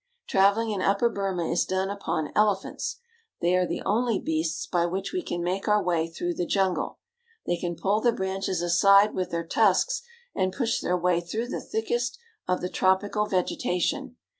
Traveling in Upper Burma is done upon elephants. They are the only beasts by which we can make our way through the jungle. They can pull the branches aside with their tusks, and push their way through the thickest of the tropical vegetation.